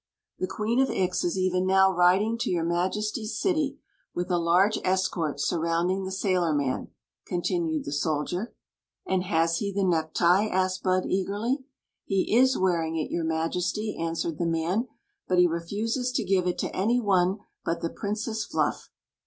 "The Qu en of Ix is even now riding to your Majesty's city with a large escort surrounding the sailorman," continued the soldier. " And has he the necktie ?" asked Bud, eagerly. "He is wearing it, your Majesty," answered the man ;" but he refuses to give it to any one but the Princess Fluff."